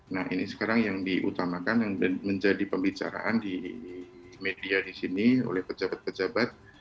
nah ini sekarang yang diutamakan yang menjadi pembicaraan di media di sini oleh pejabat pejabat